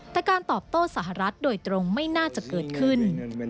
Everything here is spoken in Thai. แต่การตอบโต้สหรัฐโดยตรงไม่น่าจะเกิดขึ้น